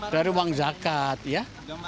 dari uang zakat ya